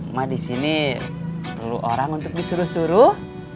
mak disini perlu orang untuk disuruh suruh